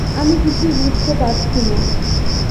আমি কিছুই বুঝতে পারছি না।